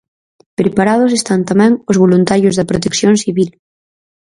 Preparados están tamén os voluntarios da Protección Civil.